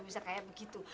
bisa kayak begitu